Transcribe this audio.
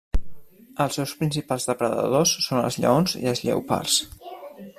Els seus principals depredadors són els lleons i els lleopards.